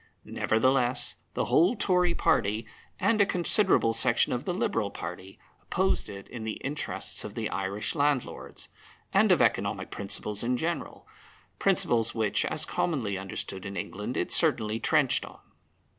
Nevertheless, the whole Tory party, and a considerable section of the Liberal party, opposed it in the interests of the Irish landlords, and of economic principles in general, principles which (as commonly understood in England) it certainly trenched on.